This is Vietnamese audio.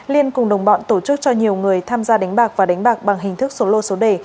liên cùng đồng bọn tổ chức cho nhiều người tham gia đánh bạc và đánh bạc bằng hình thức số lô số đề